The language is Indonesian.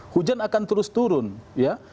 hujan akan terus turun ya